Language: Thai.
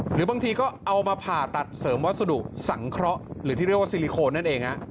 หรือบางทีก็เอามาผ่าตัดเสริมวัสดุสังเคราะห์หรือที่เรียกว่าซิลิโคนนั่นเอง